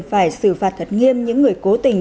phải xử phạt thật nghiêm những người cố tình